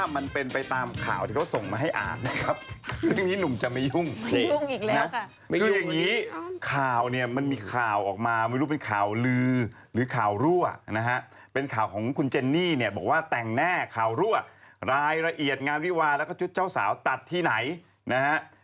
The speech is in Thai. มันเป็นไปตามข่าวที่เขาส่งมาให้อ่านนะครับเรื่องนี้หนุ่มจะไม่ยุ่งเพลงยุ่งอีกแล้วค่ะคืออย่างนี้ข่าวเนี่ยมันมีข่าวออกมาไม่รู้เป็นข่าวลือหรือข่าวรั่วนะฮะเป็นข่าวของคุณเจนนี่เนี่ยบอกว่าแต่งแน่ข่าวรั่วรายละเอียดงานวิวาแล้วก็ชุดเจ้าสาวตัดที่ไหนนะฮะ